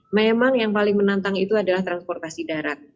memang yang paling menantang itu adalah transportasi darat